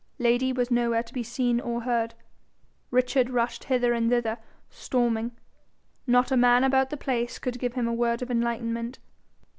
Lady was nowhere to be seen or heard. Richard rushed hither and thither, storming. Not a man about the place could give him a word of enlightenment.